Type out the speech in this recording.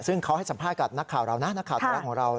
ซึ่งเขาให้สัมภาษณ์กับนักข่าวเรานะนักข่าวไทยรัฐของเรา